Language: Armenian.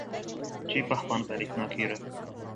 Չի պահպանվել ինքնագիրը։